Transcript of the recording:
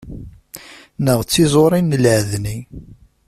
Neɣ d tiẓurin n lɛedni.